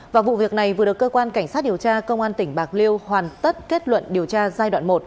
và vụ việc này vừa được cơ quan cảnh sát điều tra công an tỉnh bạc liêu hoàn tất kết luận điều tra giai đoạn một